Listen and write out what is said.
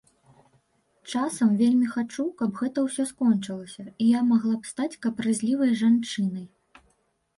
Часам вельмі хачу, каб гэта ўсё скончылася і я магла б стаць капрызлівай жанчынай.